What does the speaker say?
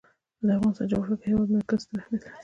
د افغانستان جغرافیه کې د هېواد مرکز ستر اهمیت لري.